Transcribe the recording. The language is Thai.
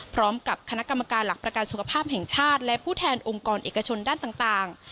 พร้อมกับคณะกรรมการหลักประกันสุขภาพแห่งชาติและผู้แทนองค์กรเอกชนด้านต่าง